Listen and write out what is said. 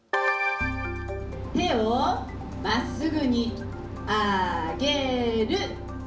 手をまっすぐに上げる。